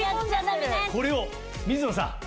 これを水野さん！